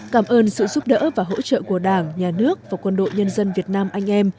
cảm ơn sự giúp đỡ và hỗ trợ của đảng nhà nước và quân đội nhân dân việt nam anh em